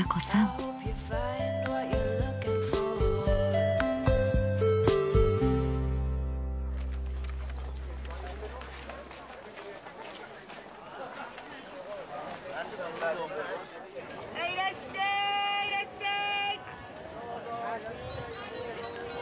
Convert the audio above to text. ・はいいらっしゃいいらっしゃい！